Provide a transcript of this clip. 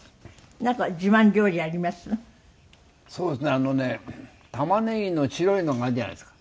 あのね玉ねぎの白いのがあるじゃないですか。